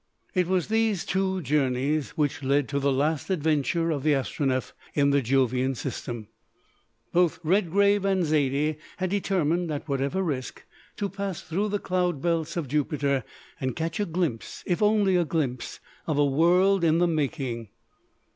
It was these two journeys which led to the last adventure of the Astronef in the Jovian System. Both Redgrave and Zaidie had determined, at whatever risk, to pass through the cloud belts of Jupiter, and catch a glimpse, if only a glimpse, of a world in the making.